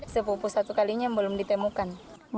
sepupu satu kalinya belum ditemukan